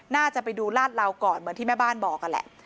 น่าจะไปดูลาดเหลาก่อนเหมือนที่แม่บ้านบอกนั่นแหละ